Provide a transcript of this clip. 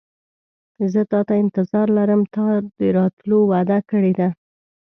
زه تاته انتظار لرم تا د راتلو وعده کړې ده.